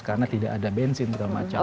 karena tidak ada bensin dan semacamnya